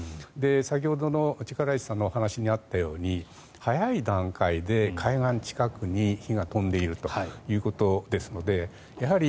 先ほどの力石さんのお話にあったように早い段階で海岸近くに火が飛んでいるということですのでやはり